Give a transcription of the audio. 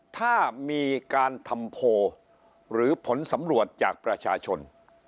ถ้ามีการทำโพลหรือผลสำรวจจากประชาชน